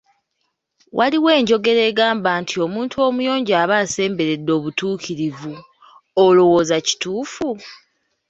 Waliwo enjogera egamba nti, omuntu omuyonjo aba asemberedde obutuukirivu , olowooza kituufu?